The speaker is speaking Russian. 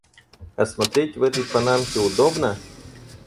А смотреть в этой панамке удобно?